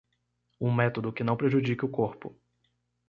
um método que não prejudique o corpo